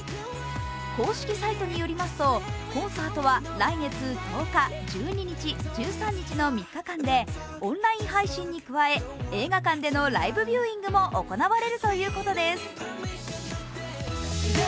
公式サイトによりますとコンサートは来月１０日、１２日、１３日の３日間でオンライン配信に加え、映画館でのライブビューイングも行われるということです。